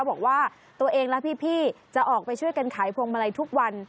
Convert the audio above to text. บอกว่าตัวเองและพี่จะออกไปช่วยกันขายพวงมาลัยทุกวัน